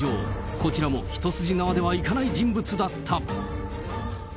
こちらも一筋縄ではいかない人物だった。